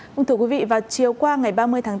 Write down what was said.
cùng thưa quý vị vào chiều qua ngày ba mươi tháng tám